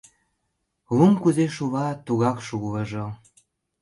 Лум кузе шула, тугак шулыжо.